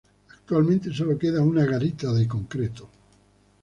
Actualmente solo queda una garita de concreto.